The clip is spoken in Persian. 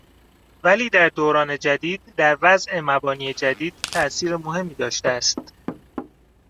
ولی در دوران جدید در وضع مبانی جدید تاثیر مهمی داشته است